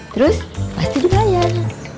terus pasti dibayar